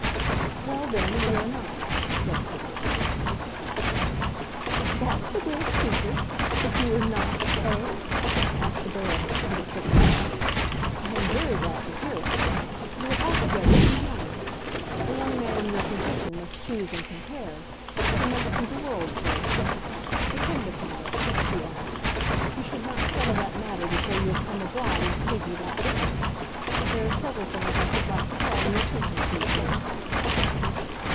"Well, then—we are not!" said Clifford. "That's the great secret—that you are not, eh?" asked the Baroness, with a quick laugh. "I am very glad to hear it. You are altogether too young. A young man in your position must choose and compare; he must see the world first. Depend upon it," she added, "you should not settle that matter before you have come abroad and paid me that visit. There are several things I should like to call your attention to first."